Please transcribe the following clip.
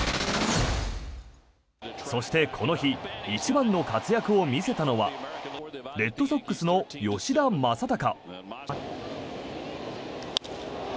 そして、この日一番の活躍を見せたのはレッドソックスの吉田正尚。